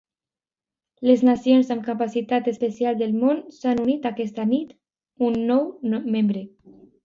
Les nacions amb capacitat espacial del món, s'han unit aquesta nit un nou membre: